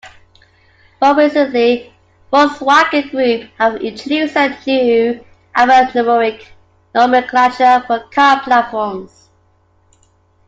More recently, Volkswagen Group have introduced a new alphanumeric nomenclature for car platforms.